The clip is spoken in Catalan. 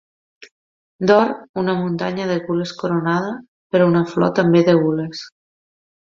D'or, una muntanya de gules coronada per una flor també de gules.